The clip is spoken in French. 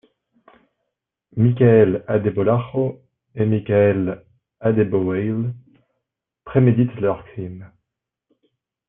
Michael Adebolajo et Michael Adebowale préméditent leur crime.